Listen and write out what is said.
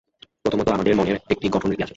প্রথমত আমাদের মনের একটি গঠন-রীতি আছে।